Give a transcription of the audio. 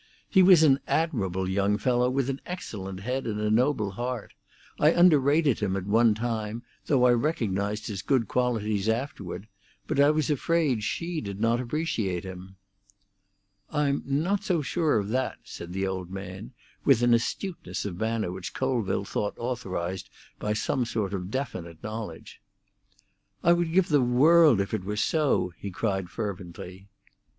"He was an admirable young fellow, with an excellent head and a noble heart. I underrated him at one time, though I recognised his good qualities afterward; but I was afraid she did not appreciate him." "I'm not so sure of that," said the old man, with an astuteness of manner which Colville thought authorised by some sort of definite knowledge. "I would give the world if it were so!" he cried fervently.